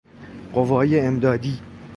قوای امدادی